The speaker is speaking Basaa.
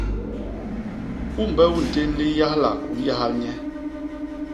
Umbe u ntén liyahlak u nyahal nye?